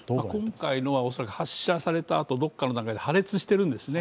恐らく発射されたあと、どこかの段階で破裂してるんですね。